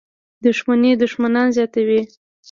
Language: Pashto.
• دښمني دښمنان زیاتوي.